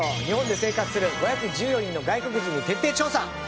日本で生活する５１４人の外国人に徹底調査。